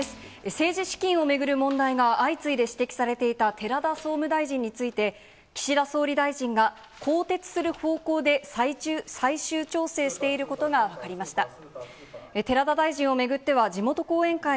政治資金を巡る問題が相次いで指摘されていた寺田総務大臣について、岸田総理大臣が更迭する方向で最終調整していることが分かりましわわわ。